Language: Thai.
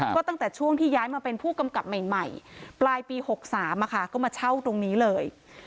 ก็ตั้งแต่ช่วงที่ย้ายมาเป็นผู้กำกับใหม่ปลายปี๖๓ก็มาเช่าตรงนี้เลย